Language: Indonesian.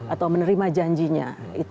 atau menerima janjinya